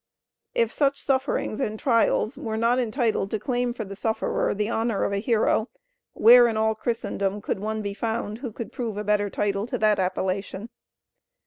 If such sufferings and trials were not entitled to claim for the sufferer the honor of a hero, where in all Christendom could one be found who could prove a better title to that appellation?